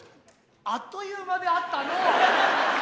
あっという間であったのう。